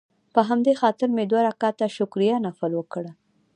په همدې خاطر مې دوه رکعته شکريه نفل وکړ.